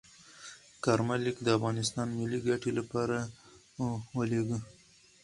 کارمل لیک د افغانستان ملي ګټې لپاره ولیږه.